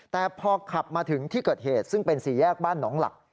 แต่พอขับมาถึงที่เกิดเหตุซึ่งเป็นสี่แยกบ้านหนองหลัก